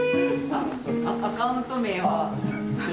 あアカウント名は？